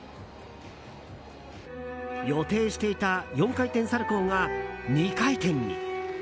予定していた４回転サルコウが２回転に。